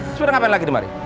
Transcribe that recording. soalnya ngapain lagi di mari